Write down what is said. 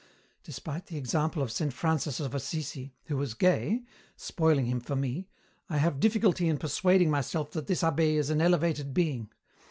Despite the example of Saint Francis of Assisi, who was gay spoiling him for me I have difficulty in persuading myself that this abbé is an elevated being.